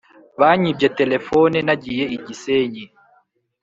Banyibye telephone nagiye igisenyi